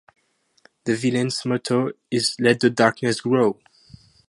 The villains' motto is Let the darkness grow!